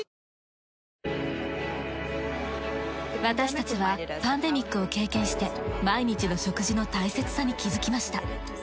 私たちはパンデミックを経験して毎日の食事の大切さに気づきました。